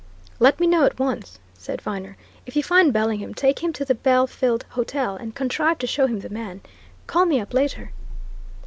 "Let me know at once," said Viner. "If you find Bellingham, take him to the Belfield Hotel and contrive to show him the man. Call me up later."